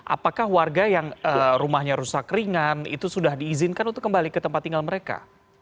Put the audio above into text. apakah warga yang rumahnya rusak ringan itu sudah diizinkan untuk kembali ke tempat tinggal mereka